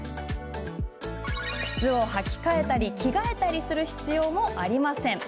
靴を履き替えたり着替えたりする必要もありません。